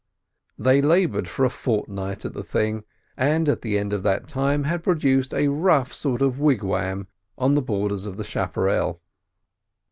They laboured for a fortnight at the thing, and at the end of that time had produced a rough sort of wigwam on the borders of the chapparel.